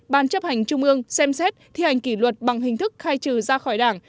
ban chấp hành trung ương xem xét thi hành kỷ luật bằng hình thức khai trừ ra khỏi đảng